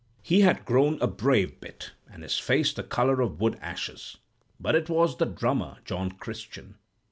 "He had grown a brave bit, and his face the color of wood ashes; but it was the drummer, John Christian.